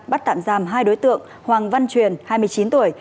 bắt tạm giam hai đối tượng hoàng văn truyền hai mươi chín tuổi